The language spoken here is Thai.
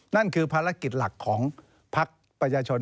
นั่นคือภารกิจหลักของภักดิ์ประชาชน